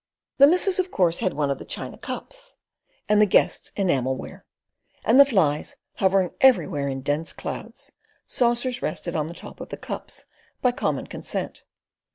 The missus, of course, had one of the china cups, and the guests enamel ware; and the flies hovering everywhere in dense clouds, saucers rested on the top of the cups by common consent.